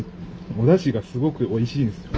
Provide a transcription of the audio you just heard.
おだしがすごくおいしいんですよ。